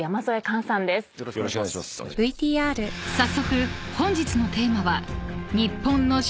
［早速本日のテーマは］